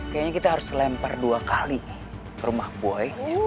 kayaknya kita harus lempar dua kali ke rumah boy